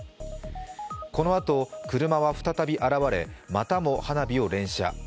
この後、車は再び現れまたも花火を連射。